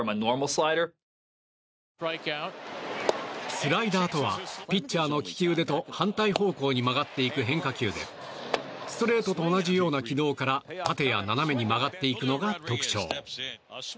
スライダーとはピッチャーの利き腕と反対方向に曲がっていく変化球でストレートと同じような軌道から縦や斜めに曲がっていくのが特徴。